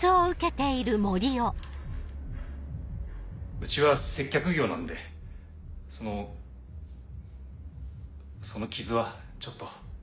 うちは接客業なんでそのその傷はちょっと。